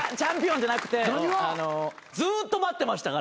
じゃなくてずっと待ってましたから。